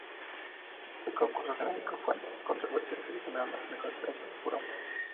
El concurso generó fuertes controversias que terminaron con la cancelación del programa.